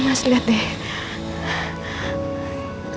masih ada yang nunggu